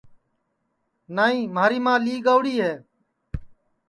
نائی مھاری ماں لی گئوڑی ہے